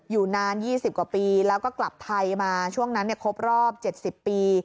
อยู่นาน๒๐กว่าปีแล้วก็กลับไทยมาช่วงนั้นครบรอบ๗๐ปี